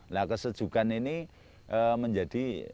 nah kesejukan ini menjadi